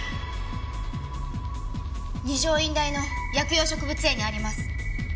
二条院大の薬用植物園にあります。